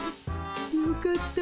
よかった。